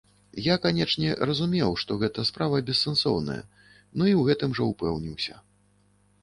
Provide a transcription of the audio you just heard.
Я, канечне, разумеў, што гэта справа бессэнсоўная ну і ў гэтым жа упэўніўся.